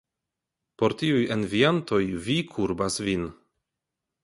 Por tiuj enviantoj vi kurbas vin!